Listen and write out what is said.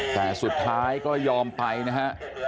แต่สุดท้ายก็ยอมไปนะฮะ